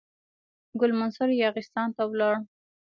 ګل منصور یاغستان ته ولاړ.